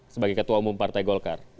sebagai ketua umum partai golkar